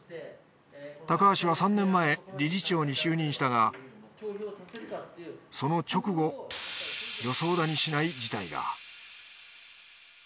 高橋は３年前理事長に就任したがその直後予想だにしない事態が。